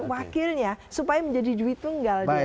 wakilnya supaya menjadi duit tunggal dia